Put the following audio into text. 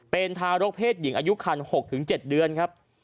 เป็นทารกเพศหญิงอายุคัน๖๗เดือนครับ